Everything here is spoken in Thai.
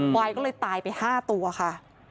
ควายก็เลยตายไป๕ตัวค่ะ